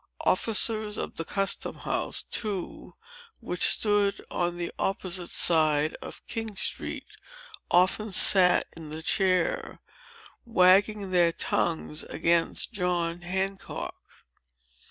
Officers of the custom house, too, which stood on the opposite side of King Street, often sat in the chair, wagging their tongues against John Hancock."